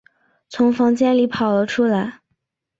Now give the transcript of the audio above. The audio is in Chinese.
从房里跑了出来